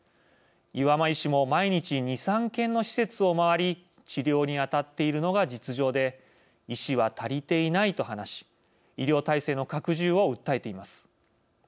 岩間医師も毎日、２３件の施設を回り治療に当たっているのが実情で「医師は足りていない」と話し医療体制の拡充を訴えています。